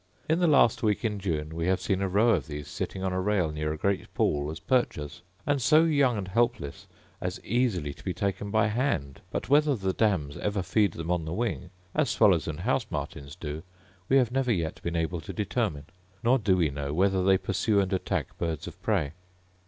In the last week in June we have seen a row of these sitting on a rail near a great pool as perchers; and so young and helpless, as easily to be taken by hand: but whether the dams ever feed them on the wing, as swallows and house martins do, we have never yet been able to determine; nor do we know whether they pursue and attack birds of prey.